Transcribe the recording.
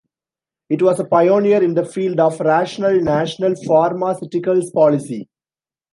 It was a pioneer in the field of rational National pharmaceuticals policy.